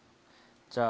じゃあ。